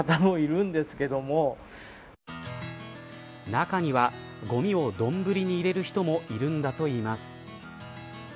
中には、ごみをどんぶりに入れる人もいるんだといいます。